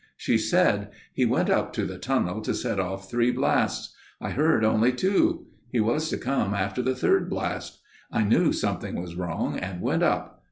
She said: "He went up to the tunnel to set off three blasts. I heard only two. He was to come after the third blast. I knew something was wrong and went up.